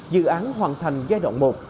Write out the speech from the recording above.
dự án hoàn thành giai đoạn một